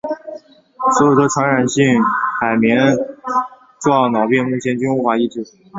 所有得传染性海绵状脑病目前均无法医治。